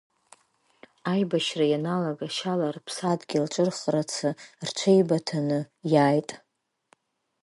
Аибашьра ианалага, шьала рыԥсадгьыл ҿырхрацы рҽеибыҭаны иааит…